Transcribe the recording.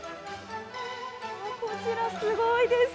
こちらすごいです。